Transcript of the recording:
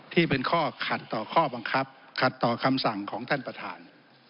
ที่เป็นข้อขัดต่อข้อบังคับขัดต่อคำสั่งของท่านประธาน